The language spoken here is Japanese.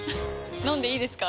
飲んでいいですか？